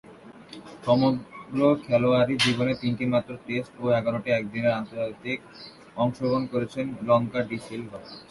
সমগ্র খেলোয়াড়ী জীবনে তিনটিমাত্র টেস্ট ও এগারোটি একদিনের আন্তর্জাতিকে অংশগ্রহণ করেছেন লঙ্কা ডি সিলভা।